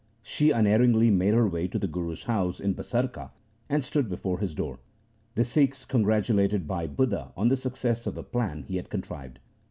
She unerringly made her way to the Guru's house in Basarka, and stood before his door. The Sikhs congratulated Bhai Budha on the success of the plan he had contrived.